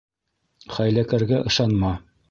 Хәйләкәргә ышанма: